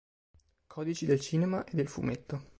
Codici del cinema e del fumetto.